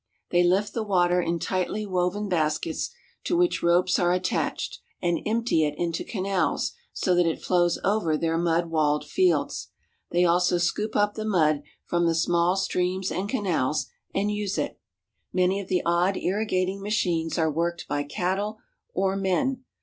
They lift the water in tightly woven baskets to which ropes are attached, and empty it into canals so that it flows over their mud walled fields. They also scoop up the mud from the small streams and canals, and use it. Many of the odd irrigating machines are worked by cattle or men.